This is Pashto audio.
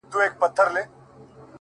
ستا دی که قند دی;